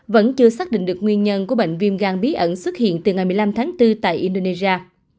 vẫn chưa xác định được nguyên nhân của bệnh viêm gan bí ẩn xuất hiện từ ngày một mươi năm tháng bốn tại indonesia